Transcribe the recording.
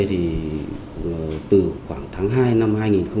từ khoảng tháng hai năm hai nghìn một mươi hai